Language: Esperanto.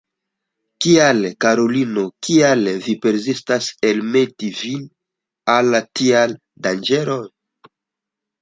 Kial, karulino, kial vi persistas elmeti vin al tiaj danĝeroj?